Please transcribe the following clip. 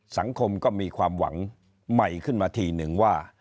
สังคมก็มีความหวังใหม่ขึ้นมาทีนึงว่า